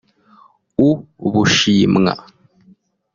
u Bushimwa